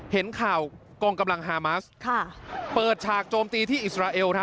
เห็นข่าวกองกำลังฮามัสเปิดฉากโจมตีที่อิสราเอล